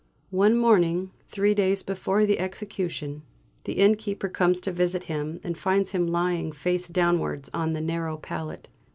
One morning, three days before the execution, the innkeeper comes to visit him and finds him lying face downwards on the narrow pallet.